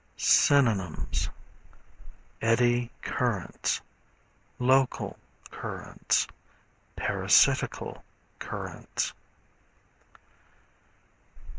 Synonyms Eddy Currents Local Currents Parasitical Currents.